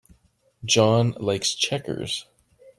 John likes checkers.